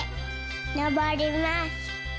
のぼります。